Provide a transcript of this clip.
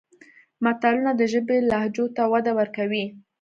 متلونه د ژبې لهجو ته وده ورکوي